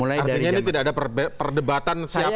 artinya ini tidak ada perdebatan siapa